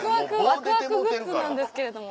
わくわくグッズなんですけれども。